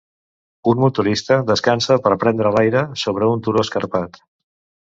Un motorista descansa per prendre l'aire sobre un turó escarpat.